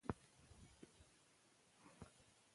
که میندې پروګرامونه جوړ کړي نو سیسټم به نه خرابیږي.